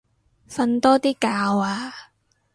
瞓多啲覺啊